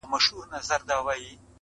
كله ،كله ديدنونه زما بــدن خــوري~